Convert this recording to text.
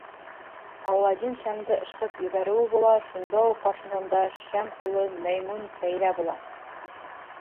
Аладдин шәмде ышҡып ебәреүе була, шунда уҡ ҡаршыһында шәм ҡоло Мәймүн пәйҙә була.